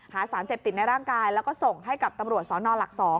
สารเสพติดในร่างกายแล้วก็ส่งให้กับตำรวจสนหลัก๒